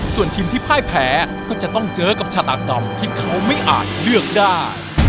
ส่วนทีมที่พ่ายแพ้ก็จะต้องเจอกับชาตากรรมที่เขาไม่อาจเลือกได้